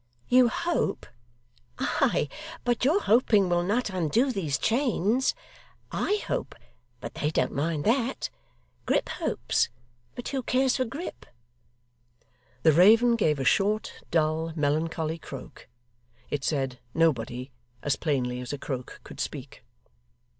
'You hope! Ay, but your hoping will not undo these chains. I hope, but they don't mind that. Grip hopes, but who cares for Grip?' The raven gave a short, dull, melancholy croak. It said 'Nobody,' as plainly as a croak could speak.